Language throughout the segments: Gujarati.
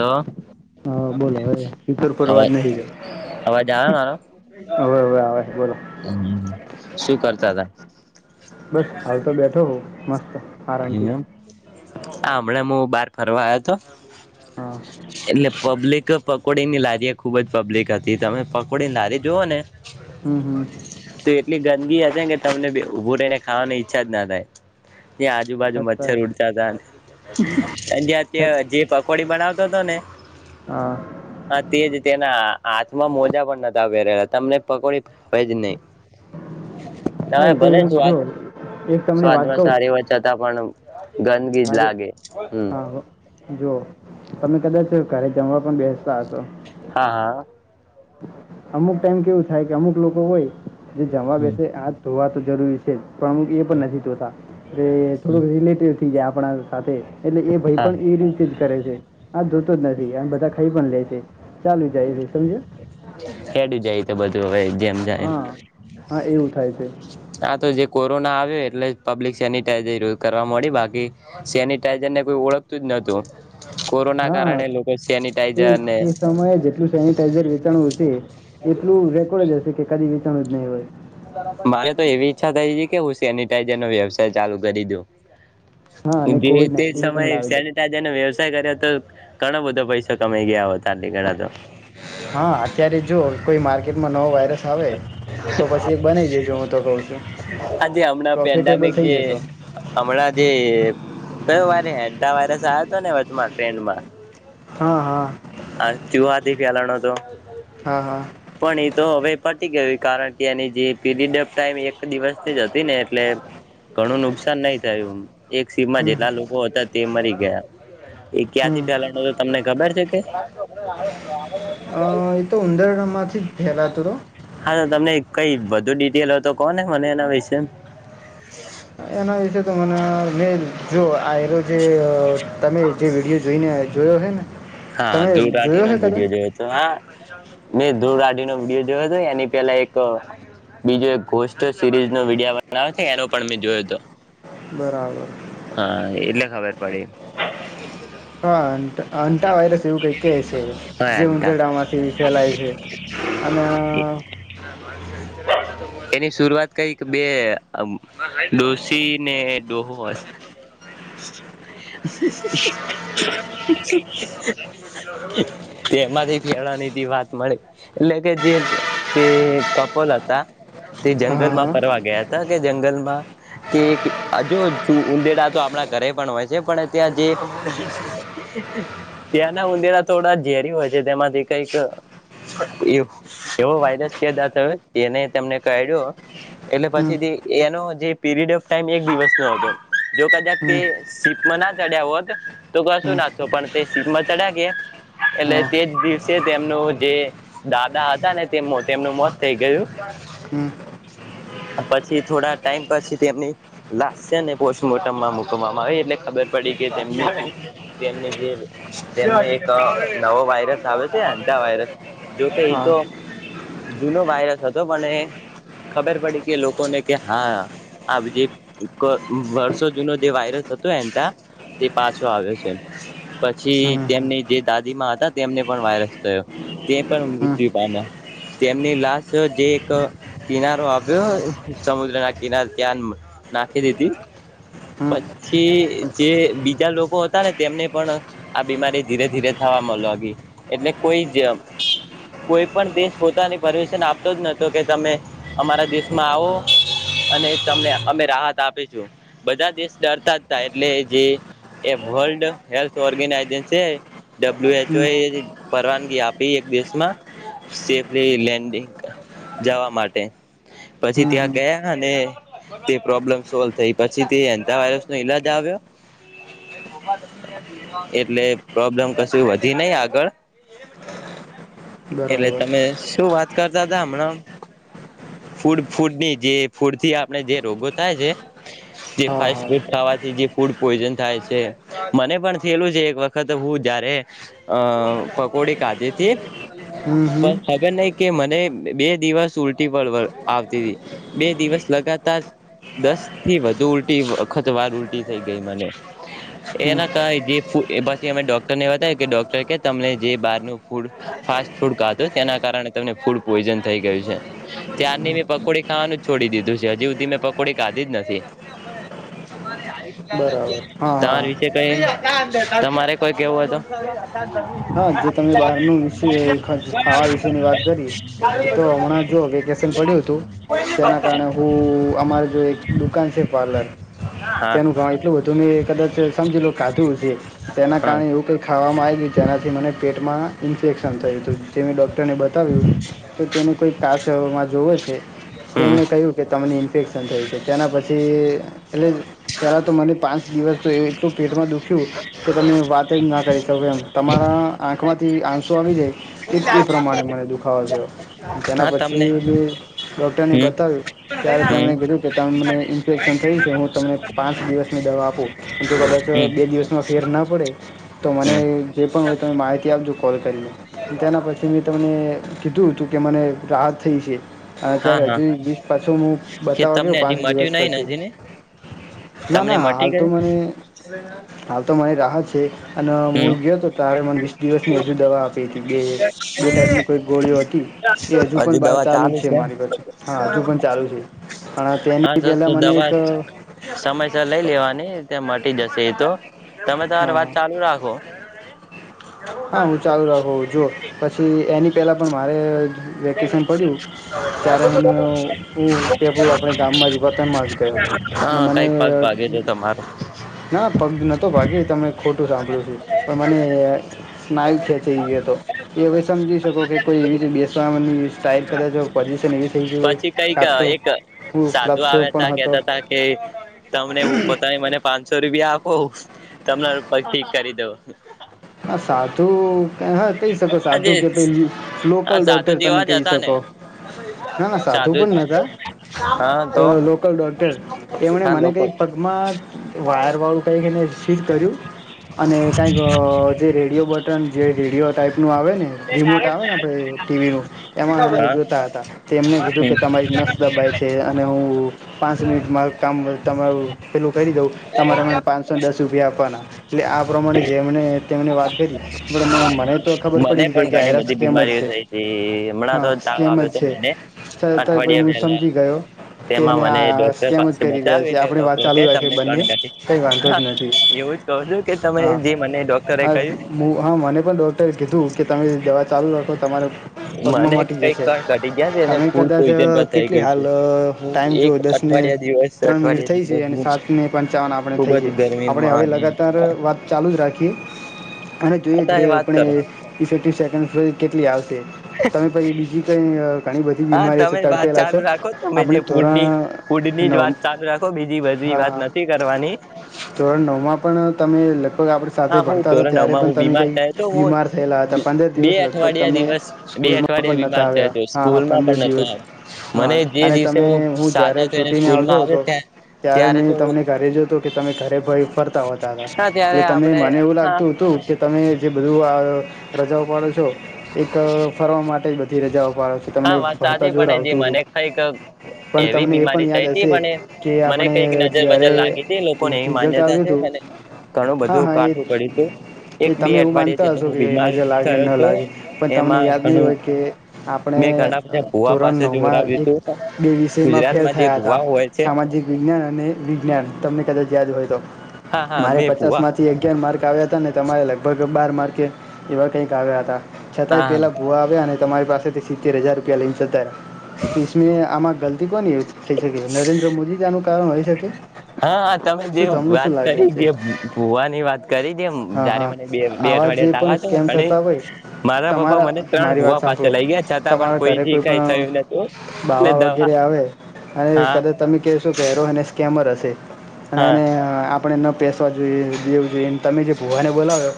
તો હા બોલો હવે ફીચર પર અવાજ અવા નહી અવાજ આવે મારો ગયો હવે હવે આવે છે બોલો શું કરતા હતા બસ હાલ તો બેઠો હું મસ્ત આરામથી [inaudible] બાર ફરવાયો હતો એટલે પબ્લિક પકોડી ની લારી એ ખુબ જ પબ્લિક હતી તમે પકોડીની લારી જોુઓ ને હમ હમ તો એટલી ગંદકી હશે તમને ઉઊભું રહીને ખાવાની ઈચ્છા જ ના થાય ત્યા આજુબાજુ મચ્છર છતાંય ઉડતા હતા ત્યાં યા જે પકોડી બનાવતો હતો ને હા હ તે જ તેના હાથમાં મોજા પણ નતા પહેરેલા તમને પકોડી ભાવે જ નહી હા તમે તો ભલે એક જો સ્વાદ એક તમને વાત કવ સારી વાતાં પણ [unintelligible] ગંદગી જ મારી લાગે હમ હા જો તમે કદાચ ઘરે જમવા પણ બેસો હા હા [inaudible] અમુક ટાઈમ કેવું થાય કે અમુક લોકો હોય જે જમવા હા બેસે હાથ ધોવા પણ જરૂરી છે પણ અમુક એ પણ નથી ધોતા એટલે થોડુંક રિલેટિવ આપણા સાથે એટલે એ ભાઈ પણ હા એ રીતે જ કરે છે આ જોતો જ નથી આ બધા ખાઈ પણ લે છે ચાલુ જાય છે સમજો હેડી જાય તો બધું હવે જેમ જાય એમ હા એવું થાય છે હા તો જે કોરોના આવ્યો એટલે પબ્લિક સેનિટાઈઝર યુઝ કરવા મળી બાકી સેનિટાઈઝર ને કોઈ ઓળખતું જ નતું કોરોના હા કારણે લોકો સેનિટાઈઝર ને એ સમયે જેટલું સેનિટાઈઝર વેચાણું હશે એટલું રેકોર્ડ જ હશે કે કદી વેચાણું જ નહીં હોય મારે તો એવી ઈચ્છા થઈ છે કે હું સેનિટાઈઝર નો વ્યવસાય ચાલુ કરી દઉ હા અને જે કોવિડ તે નાઇન્ટીન પણ સમયે લાવી દઉં સેનટાઈઝર વ્યવસ્થા કર્યા તો ઘણો બધો પૈસાો કમાઈ ગયા હતો. હા અત્યારે જો કોઈ માર્કેટમાં નવો વાયરસ આવે તો પછી, એક બનાવી દેજો હું તો કહું છું આજે હમણાં પ્રોફિટેબલ પેન્ડામિક જે થઈ જશો. હમણાં જે કયો વારે હેતા વાયરસ આવ્યો હતો, ને વમાં ટ્રેન્ડમાં હા હા, કે લના તો હા હા પણણી તો હવે, પટી કેવી કારણ ની જે પીરિયડફ ટાઈમ એક દિવસ જ હતી. ને એટલે ઘણું નુકસાન નહ થયું. એક સીમમાં હમ જેટલા લોકો હતા. તે મરી ગયા. એ હમ ક્યાંથી ફેલાનો તો તમને ખબર છે. [inaudible] અ એ તો ઉંદરડા માંથી જ ફયેલા હતું. તો હા તો તમને કઈ બધું ડિટેલ હો તો કોને મને એના વિશે એના વિશે તો મને મેલ જો આ એરો જે તમે જે વિડીયો જોઈને જોયો હ ને હા તમે ધૂ આઠી જોયો નો હે જ કદાચ વિડીયો જોયો હતો. હા, મેં ધૂળઢ નો વિડીયો જોયો હતો. એની પેલા એક બીજો એક સીરીઝ નો વિડ બનાવે છે. એનો પણ મેં જોયો હતો. બરાબર. ખબ પી હા આટા વાયરસ એવું કઈ કે છે હા જે એમ તા ઉંધરડામાંથી ફેલાય છે. અને- એની શરઆત કરીઈ કે બે ડોસી ને ડોહો હશે. તેમાંથી ફેરવાની વાત મળી એટલે કે જે તે કપોલ હતા તે જંગલમાં હા ફરવા ગયા હતા. કે જંગલમાં કે હજુ ઉંદેડા તો આપણા ઘરે પણ હોય છે. પણ ત્યાં જે ત્યાંના ઉંદેરા થોડા ઝેરી હોય છે તેમાંથી કઈક એવો વાયરસ કેદ થયો તેનેને ક્યો એટલે હમ પછી એનો જે પીરિડ ઓ ટમ એક દિવસ ન હતો. જો કદા હમ સીપમાં ના ચડ્યા હોત તો કશું હમ ના પણ ચ ગયા એટલે હા તેજ દિવસે તેમનું જે દાદા હતા ને તેમનું મોત થઈ ગયું હમ પછી થોડા ટાઈમ પછી તેમની લશને પોસ્ટમોર્ટમમાં મુકવામાં આવી એટલે ખબર પડી કેની જે તેમાં એક નવો વાયરસ આવ્યો છે એતા વાયરસ જોકે હા એતો જૂનો વાયરસ હતો પણ ખબર પડી કે લોકોને કે હા આ જે વર્ષો જૂનો જે વાયરસ હતો એતા તે પાછો આવ્યો છે પછી હમ તેમની જે દાદીમાં હતા તેમને પણ વાયરસ થયો તે પણ હમ મૃત્યુ પામ્યા તેમની લશ્ટ જે એક કિનારો આવ્યો સમુદ્રના કિનારે ત્યાં નાખી દીધી હમ હમ પછી જે બીજા લોકો હતા ને તેમને પણ આ બીમારી ધીરે ધીરે થવા મળ એટલે કોઈ કોઈ પણ દેશ પોતાની પરમિશન આપતો જ નતો કે તમે અમારા દેશમાં આવો અને તમને અમે રાહત આપીશું બધા દેશ ડરતા જ હતા એટલે જે એ world health ર્ગેના agency W H O પરવાનગી આપી એક દિવસમાં સેફલી લેન્ડિંગ જવા માટે પછી હમ ત્યાં હમ ગયા અને તે પ્રોબ્લેમ સોલ્વ થઈ પછી તે એતા વાયરસ નો ઈલાજ આવ્યો એટલે પ્રોબ્લેમ કશું વધી ન આગળ એટલે બરાબર તમે શું વાત? તા હમણાં ફૂડ ફૂડની જે ફૂડથી આપ જે રોગો થાય છે જે હા ફાસ ફૂડ હા ખવાથી જે ફૂડ પોઈઝન થાય છે મને પણ થયેલું છે એક વખત હું જયારે અ પકોડી કાધીથી હમ હમ પણ ખબર નહી કે મને બે દિવસ ઉલટી પળ વ આવતી તી બે દિવસ લગાતાર દસ થી વધુ ઉલટી વખત વાર ઉલટી થઈ ગઈ મને એના કઈ ગી ફુ એ પછી અમે ડોક્ટર ને બતાયવું કે ડોક્ટર કે તમને જે બાર ન ફૂડ ફાસ્ટ ફૂડ કાદી તેના કારણે તમને ફૂડ પ્લોઝન થઈ ગયું છે ત્યારની મેં પકોડી ખાવાનું છોડી દીધું છે હજી સુધી મેં પકોડી કાધી જ નથી. બરાબર હા તમારે હા વિશે કઈ. તમારે કોઈ કેવું હો તો. હા જે તમે બહારનું વિશે ખાવા વિશેની વાત કરી તો હમણાં જો વેકેશન પડ્યું હતું હોય તો તેના કારણે હું અમારે જો એક દુકાન છે પાર્લર હા તેનું એટલું બધું મેં કદાચ સમજી લો કાધું તુ તેના હા કારણે એવું કઈ ખાવામાં આવી ગય જેનાથી મને પેટમાં ઇન્ફેક્શન થયું હતું જે મેં ડૉક્ટરને બતાવ્યું તો તેને કોઈ કાચમાં જોવો છે હમ તેમણે કહ્યું કે તમને ઇન્ફેક્શન થયું છે તેના પછી એટલે પહેલાં તો મને પાંચ દિવસ તો એટલું પેટમાં દુખ્યું ખ્યું કે તમે વાત જ ના કરી શકો એમ. મારા આંખમાંથી આંસો આવી જાય એ પ્રમાણે મને દુખાવો થયો તેના હા તમને પછી ડોક્ટરને હમ બતાવ્યું હમ ત્યારે હમ તેમણે કીધું કે ત મને ઇન્ફેક્શન થયું છે હું તમને પાંચ દિવસની દવા આપું જો કદાચ બે દિ માં ફેર ના પડે તો મને હમ જે પણ હોય તમે માહિતી આપજો કોલ કરીને તેના પછી મેં તમને કીધું હતું કે મને રાહત થઈ છે. અને હા અત્યારે હા હજુ લીસ પાછળનો હું કે બતાવા ગયો તમને હજી પાંચ મટ્યું દિવસ નહી પછી નથી ને ના તમને ના મટી હાલ તો ગયું મને હાલ તો મારી રાહત છે અને હમ મળ ગયો તો. આવી પણ વસ દિવસની હજુ દવા આપી હતી બે ટાઈપની કો ગોળી હતી એ હજુ પણ ચાલુ જ છે એમ મારી પાછું હા હજુ પણ ચાલુ છે પણ તેની હા તો પહેલાં મને એક દવા સમયસર લઈ લેવાની ત્યા મ ટી જશે એ તો. તમે તમારી હા વાત ચાલુ રાખો. હા હું ચાલુ રાખું જો પછી એની પેલા પણ મારે વેકેશન પડ્યું ત્યારે મને હું પેપડું આપડે ગામમાં જ વતનમાં જ ગયો અને હા મને કઈક પગ ભાગે છે તમારો ના પગ નહોતો ભાગી તને ખોટું સાંભળ્યું છે પણ મને સ્નાયુ ખેંચી ગયો હતો એ હવે સમજી શકો કે કોઈ એવી રી બે થઈ ગઈ હોય પછી કઈક કાં તો એક હું સાધુ લપસ્યો આવ્યા પણ તા હતો કેતા તા કે તમને હું પોતાની મને પાંસ રૂપિયા આપો તમને પહી ઠીક કરી દવ. આ સાધુ હા કહી શકો આજે સાધું કે ભ લોકલ આ સાધુ ડોક્ટર તમે જેવા જ કહી હતા ને શકો ના ના સાધુ પણ નતા હા તો લોકલ ડોક્ટર એમને હા મને લોકો કંઈક પગમાં વાયર વાળું કઈક એને શીટ કર્યું અને કઈક જે રેડિયો બટન જે રેડિયો ટાાઈપનું આવે ને રિમોટ આવે ને આપડે ટીવીનું એમાં એને હા જોતા હતા તેમણે કીધું કે હમ તમારી નસ દબાય છે અને હું પાંચ મિનિટમાં કામ તમારું પેલું કરી દઉં તમારે મને પાંચસોને દસ રૂપિયા આપવાના એટલે આ પ્રમાણે જેમણે મને વાત કરી. મને પડી જ ગઈ પણ કે ઘણી આયરા બધી સ્કેમ જ બીમારીઓ છે થઈ હતી હમણાં હા તો તાવ સ્કેમ જ આવ્યો હતો છે મને છતાં પણ અઠવાડિયા હું પેલા સમજી ગયો કે તેમાં એને મને આ ડોક્ટર સ્કેમ જ પાસે કરી રહ્યા બતાવે છે એટલે આપણે વાત ડોક્ટર ક ચાલુ રાખી તમને કોણ બંને કરી કઈ વાંધો જ નથી એવું જ કહ છું, કે તમે જે મને ડો આ બઉ હા. પણ ડોક્ટરે કીધું કે તમે દવા ચાલુ રાખો તમારે પગમાં મને મટી કઈક જશે કણ ઘટી ગયા છે અને તમે ફૂડ કદાચ પોઈઝન પણ થઈ કેટલી ગયું છે હાલ હું ટાઈમ એક જોવો દસ ને અઠવાડિયા દિવસ ત્રણ મિનિટ અઠવાડિયા થઈ જેટલો છે અને હું સાત ને પંચાવન આપણે ખુબ થઈ છે જ આપણે ગરમીમાં હવે અને લગાતાર વાત ચાલુ જ રાખીએ અને અત્યારે જોઈએ વાત આપણે કરો ફિફ્ટીન સેકન્ડ સુધી કેટલી આવશે? છે તમે પછી બીજી કંઈ ઘણી બધી હા બીમારીઓ છે તમે વાત તડફેલા છો ચાલુ રાખો તમે આપણે જે ફૂડની ધોરણ ફૂડની જ વાત ચાલુ રાખો બીજી નવ બધી હા વાત હા નથી કરવાની ધોરણ નવમાં પણ તમે લગભગ આપણે સાથે હા હું પણ ધોરણ ત્યારે નવમાં પણ હું તમે બીમાર કઈ થયો તો હું બીમાર થયેલા હતા બી પંદર બે દિવસ લગભગ અઠવાડિયા તમે દિવસ બે સ્કૂલમાં અઠવાડિયા પણ બીમાર નતા થયો આવ્યા હતો હા-હા સ્કૂલમાં પંદર પણ નતો દિવસ આવ્યો હા મને જે અને દિવસે તમે હું જયારે સાજા થઈને છૂટીને સ્કૂલમાં આવતો આવે હતો ત્યાં ત્યારે મેં તમને ઘરે જોતો કે તમે ઘરે ભઈ ફરતા હોતા હતા હા એટલે ત્યારે તમ નઈ આપણે મને એવું લાગ હા તું હતું કે તમે જે બધું આ રજાઓ પાડો છો એક ફરવા માટે જ બધી રજાઓ પાડો છો તમને હા વાત ભણતા સાચી જોર પણ જે આવતું હતું મને કઈક પણ એવી તમને એ બીમારી પણ યાદ થઈ હતી હશે પણ કે મને આપણે કઈક નજર બજર જયારે લાગી હતી લોકોને એવી રિઝલ્ટ માન્યતા આવ્યું છે હતું મને ઘણું હા બધું હા એ કાઠું પડ્યું હતું એક એ બે તમે એવું અઠવાડિયા માનતા જેટલો હશો હું કે બીમાર નજર લાગે થયો ન હતો લાગે પણ તમને એમાં યાદ નહી ઘણું હોય કે આપણે મેં ઘણા બધા ભુવા ધોરણ પાસે નવમાં જોવરાવ્યું એક હતું બે વિષયમાં ફેલ ગુજરાતમાં જે થયા હતા ભુવા હોય છે સામાજિક વિજ્ઞાન અને વિજ્ઞાન તમને કદાચ યાદ હોય તો હા હા મારે મેં ભુવા પચાસમાંથી અગિયાર માર્ક અને તમારે લગભગ બાર માર્કે એવા કંઈક આવ્યા હતા. હા છતાંય હા પેલા ભૂવા આવ્યા અને તમારી પાસેથી સિત્તેર હજાર રૂપિયા લઈને જતા તો ઈસમે આમાં ગલતી કોની થઈ શકે નરેન્દ્ર મોદી જ આનું કારણ હોય? થકે હા તમે જે વાત કરી છે કે ભૂવાની વાત કરી દે હા જયારે હા મને બે બે આવા જે અઠવાડિયા તાવ પણ આયો સ્કેમ તો અણે થતા હોય મારા પપ્પા તમારા મને ત્રણ મારી વાત ભુવા પાસે સાંભળો લઈ ગયા છતાં પણ તમારા ઘરે કોઈથી કોઈ કાઈ પણ થયું નતું ને બાવા દવા વગેરે આવે અને હા કદાચ તમે કહેશો કે હેરો એને સ્કેમર હશે. અને હા એને આ આપણને એના પેસવા જોઈએ બેેવ જોઈએ તમે જે ભૂવાને બોલાવ્યો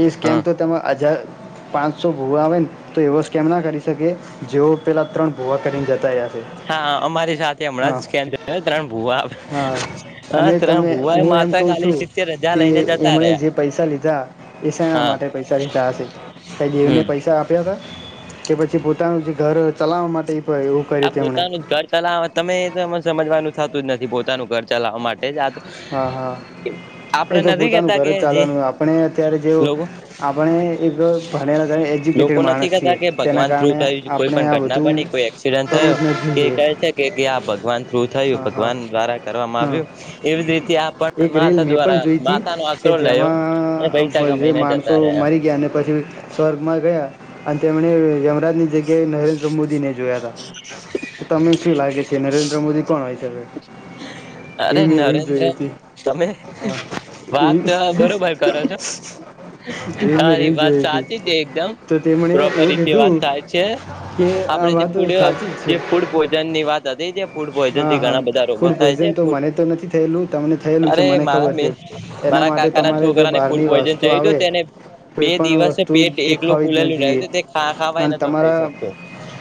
એ સ્કેમ તો તમે હજાર પાંચસો ભૂવા આવે ને તો એવો સ્કેમ ના કરી શકે જેઓ પેલા ત્રણ ભૂવા કરીને જતા રહયા છે હા અમારી સાથે હમણાં હા જ સ્કેન થયો ત્રણ ભુવા હા હા અને ત્રણ તમે ભુવા એ હું એમ માત્ર કઉ ખાલી છું સિત્તેર હજાર કે લઈને જતા એમણે રહ્યા જે પૈસા લીધા એ શેના હા માટે પૈસા લીધા હશે કઈ દેવને પૈસા આપ્યા હતા કે પછી પોતાના ઘર ચલાવવા માટે આ તેમણે પોતાનું ઘર ચલાવવા તમે એ જ સમજવાનું થતું જ નથી પોતાનું ઘર ચલાવવા માટે. જ આ હા હા એ આપડે તો નથી પોતાનું કેતા ઘર કે જ જે ચાલવાનું આપણે અત્યારે જે લોકો આપણે એક ભણેલા લોકો એજ્યુકેટેડ નથી માણસ છીએ, કેતા કે તેના ભગવાન થ્રુ કારણે થયું કોઈ આપણે પણ આ ઘટના બધું બની કોઈ એક્સિડન્ટ કરવું થયો જ ન કે જોઈએ કહે છે, કે કે આ ભગવાન તૃ હા હા હા એવી જ રીતે આ પણ એક રેલ માતા મે પણ દ્વારા જોઈ તી માતા નો કે આશરો લયો અને પૈસા જેમાં જે કમાઈને માણસો જતા રહ્યા મરી ગયા અને પછી સ્વર્ગમાં ગયા અને તેમને અરાની જે કે નરેન્દ્ર મોદી ને જોયા હતા, તો તમને શું લાગે છે નરેન્દ્ર મોદી હોય શકે અરે એવી મેં રીલ નરેન્દ્ર જોઈ હતી તમે હા એવી વાત બરોબર કરો છો, એવી મેં તારી રીલ વાત જોઈ હતી સાચી છે એકદમ તો તેમણે પ્રોપર એવું રીતે વાત કીધું સાચ છે કે આ આપડે જે વાતો ફૂડ સાચી જ છે જે ફૂડ પોજનની વાત [unintelligible] ફૂડ પોઈજન હા હા ઘણા બધા રોગો ફૂડ થાય છે, પોઈઝન તો મને તો નથી થયેલું તમને થયેલું છે અરે મને મારા ખબર છે એના મારા માટે કાકાના તમારે જે છોકરાને ફૂડ બહારની પોઈઝન વસ્તુ થયું હતું, આવે તેને બે કોઈ પણ દિવસે વસ્તુ પેટ એકલું દેખાવી જ ન ફૂલેલું રહ્યું જોઈએ હતું તેા ખાવા ન અને થઈ, તમારા શકતો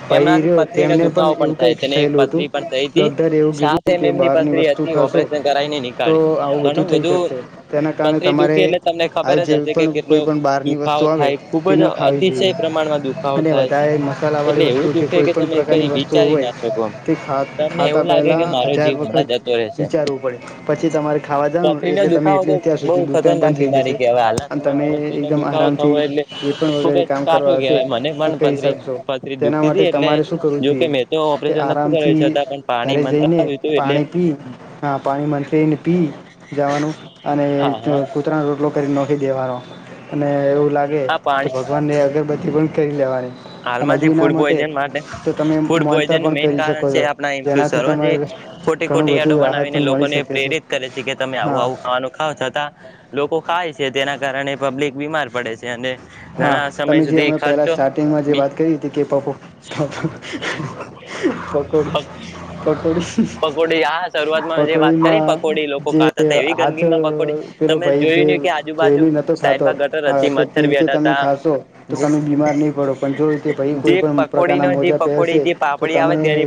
ભાઈ એમનાથી રહ્યો પથરીનો દુખાવો પણ થાય તેને પથરી પણ થઈ, ડોક્ટર એ સાથે એમ એમની પથરી હતી ઓપરેશન કરાવને તો નીકળી આવું ઘણું થઈ શકશે બધું તેના કારણે પથરી તમારે દુખી એટલે તમને ખબર આવી જ જે હશે, કે પણ કેટલો કોઈ પણ બહારની દુખાવો વસ્તુ આવે થાય ખુબ તે જ ન ખાવી અતિશય જોઈએ પ્રમાણમાં દુખાવો અને થાય છે, વધારે એટલે મસાલાવાળી એવું વસ્તુ દુખે કોઈ કે પણ તમે પ્રકારની કઈ વસ્તુઓ વિચારી હોય ના શકોમ તે ખા ખાતા એવું લાગે પહેલાં મારો હજાર જીવ હમણાં વખત જતો રહેશે, વિચારવું પડે પછી તમારે ખાવા જવાનું પથરી ન એટલે તમે દુખાવો એટલી તો અત્યાર સુધી બહ દુકાન ખતરનાક બંધ થઈ બીમારી જશે કેવા હાલના અને તમે સમયમાં પથરીનો એકદમ દુખાવો થવો આરામથી હોય, એટલે જે પણ ખુબ જ વગેરે કામ કાઠું કરવા હશે કવાય મને તે પણ કરી પથરી શકશો પથરી તેના દુખતી માટે હતી એટલે તમારે શું કરવું જોકે જોઈએ મેં તો કે ઓપરેશન ન કરે, આરામથી છતાં પણ પાણી ઘરે મંદ પાણી પી હા પાણી મઈને પી જવાનું અને હા હા કૂતરાનો રોટલો કરી દેવાનો અને એવું લાગે આ તો પાણી ભગવાનને અગર બધી પણ કરીરી લેવાની અને હાલમાં જે હજુ એના ફૂડ પોઈઝન માટે તો તમે ફૂડ માનતા પોઈઝન નું પણ મેન કરી શકો કારણ છે, છો આપ એલું જેનાથી તમારે સ ખોટી ઘણું ખોટી યા્ડો બધું રાહત બનાવીને પણ મળી લોકોને શકે પ્રેરિત કરે છે, કે તમે આવું હા આવું ખાવાનું ખાવ છતાં લોકો ખાય છે, તેના કારણે પબ્લિક બીમાર પડે છે, અને હા, ઘણા તમે સમય જે સુધી હમણાં પેલા ખર્ચો સ્ટાર્ટિંગમાં જે બી વાત કરી હતી કે પપો પકોડી પકોડી પકોડ પકોડીમાં જે હતા એવી હાથ ગંદકીમાં પકોડી પેલો તમે ભાઈ જે જોયું ને કે ધયલ આજુબાજુ નતો ખાતો સાઈડમાં હ ગટર હતી તો તે મચ્છર રીતે બેઠા તમે હતા ખાશો તો તમે બીમાર નહી. બરોબર પણ જો ભાઈ જે કોઈ પણણ પકોડીનો પ્રકારના જે મોજા પકોડી પહેરશે જે તો પાપડી તમે આવે તેની